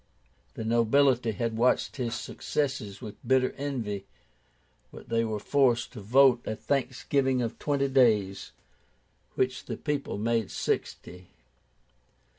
The nobility had watched his successes with bitter envy; but they were forced to vote a thanksgiving of twenty days, which "the people made sixty."